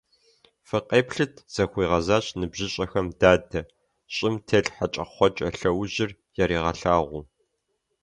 — Фыкъеплъыт! — захуигъэзащ ныбжьыщӀэхэм дадэ, щӀым телъ хьэкӀэкхъуэкӀэ лъэужьыр яригъэлъагъуу.